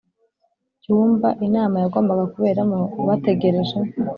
cyumba inama yagombaga kuberamo bategereje